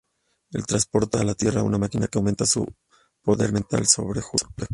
Él transporta a la Tierra una máquina que aumenta su poder mental sobre Hulk.